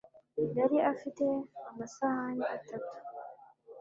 yari afite amasahani atatu